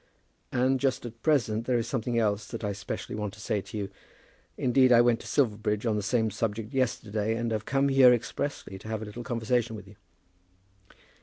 "And just at present there is something else that I specially want to say to you. Indeed, I went to Silverbridge on the same subject yesterday, and have come here expressly to have a little conversation with you."